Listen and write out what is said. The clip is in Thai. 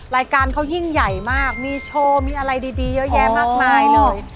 รายการเขายิ่งใหญ่มากมีโชว์มีอะไรดีเยอะแยะมากมายเลย